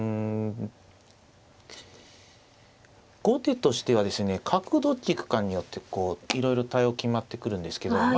後手としてはですね角をどっち行くかによっていろいろ対応決まってくるんですけど。